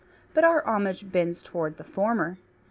But our homage bends toward the former.